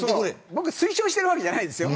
僕推奨してるわけじゃないですよ。